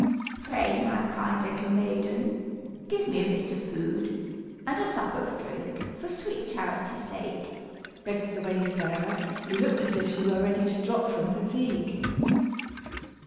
"Pray, my kind little maiden, give me a bit of food, and a sup of drink, for sweet charity's sake," begged the wayfarer, who looked as if she were ready to drop from fatigue.